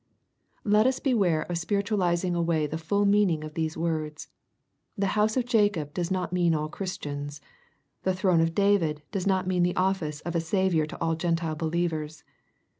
] Let us beware of spiritualizing away the fuU meaning of these words. The "house of Jacob" does not mean all Christians. The " throne of David" does not mean the office of a Saviour to all Gentile believers.